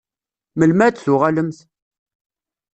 Melmi ad d-tuɣalemt?